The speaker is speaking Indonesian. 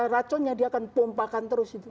racunnya dia akan pompakan terus itu